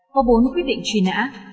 có bốn quyết định chuyên án